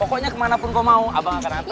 pokoknya kemanapun gue mau abang akan datang